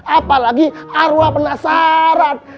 apalagi arwah penasaran